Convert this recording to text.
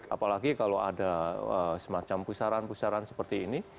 apalagi kalau ada semacam pusaran pusaran seperti ini